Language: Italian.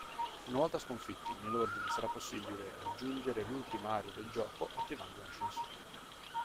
Una volta sconfitti nell'ordine sarà possibile raggiungere l'ultima area del gioco attivando un ascensore.